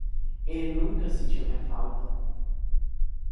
Ele nunca sentiu minha falta